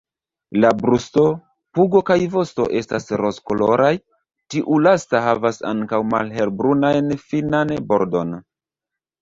La brusto, pugo kaj vosto estas rozkoloraj, tiu lasta havas ankaŭ malhelbrunajn finan bordon.